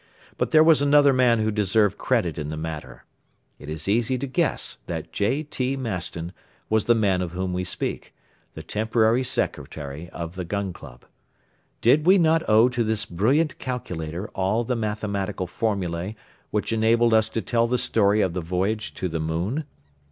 But there was another man who deserved credit in the matter. It is easy to guess that J.T. Maston was the man of whom we speak, the temporary Secretary of the Gun Club. Did we not owe to this brilliant calculator all the mathematical formulae which enabled us to tell the story of the voyage to the moon?